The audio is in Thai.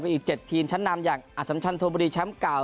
อีก๗ทีมชั้นนำอย่างอสัมชันโทบุรีแชมป์เก่า